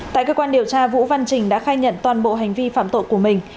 tại cơ quan điều tra vũ văn trình đã khai nhận toàn bộ hành vi phạm tội của mình